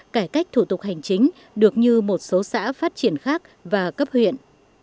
cải cách thủ tục hành chính được như một số xã phát triển khác và cấp huyện